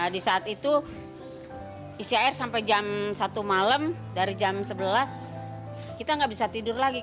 di saat itu isi air sampai jam satu malam dari jam sebelas kita nggak bisa tidur lagi